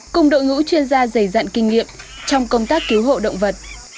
cùng đội ngũ chuyên gia dày dặn kinh nghiệm trong công tác cứu hộ động vật